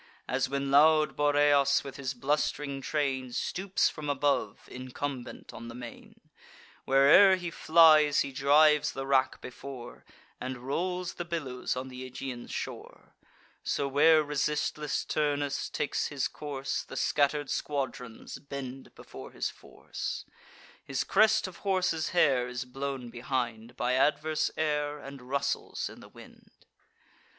As when loud Boreas, with his blust'ring train, Stoops from above, incumbent on the main; Where'er he flies, he drives the rack before, And rolls the billows on th' Aegaean shore: So, where resistless Turnus takes his course, The scatter'd squadrons bend before his force; His crest of horses' hair is blown behind By adverse air, and rustles in the wind.